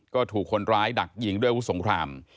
ก็ถูกคนร้ายดักยิงด้วยอาวุธสงคราม